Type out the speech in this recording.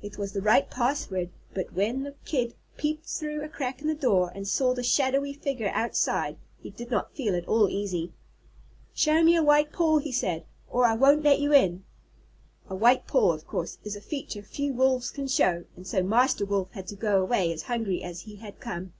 It was the right password, but when the Kid peeped through a crack in the door and saw the shadowy figure outside, he did not feel at all easy. "Show me a white paw," he said, "or I won't let you in." A white paw, of course, is a feature few Wolves can show, and so Master Wolf had to go away as hungry as he had come.